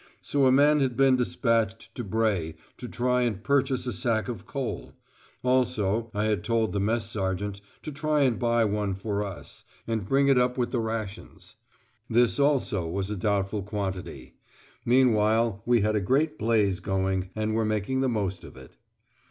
So a man had been despatched to Bray to try and purchase a sack of coal; also, I had told the Mess sergeant to try and buy one for us, and bring it up with the rations. This also was a doubtful quantity. Meanwhile, we had a great blaze going, and were making the most of it.